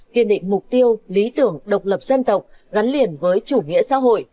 kiên định mục tiêu lý tưởng độc lập dân tộc gắn liền với chủ nghĩa xã hội